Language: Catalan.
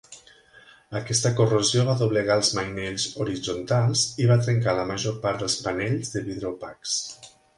Aquesta corrosió va doblegar els mainells horitzontals i va trencar la major part dels panells de vidre opacs.